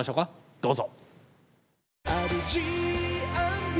どうぞ。